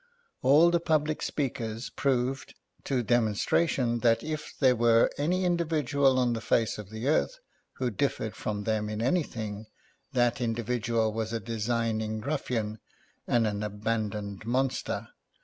All the pubhc speakers proved to demonstration that if there w^ere any individual on the face of the earth who dif fered from them in anything, that individual was a designing ruffian and an abandoned monster.